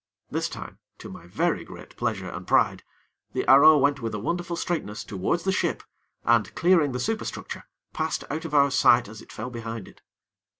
This time, to my very great pleasure and pride, the arrow went with a wonderful straightness towards the ship, and, clearing the superstructure, passed out of our sight as it fell behind it.